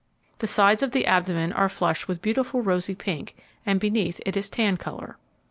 The sides of the abdomen are flushed with beautiful rosy pink, and beneath it is tan colour.